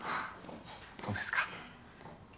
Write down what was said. そうですか。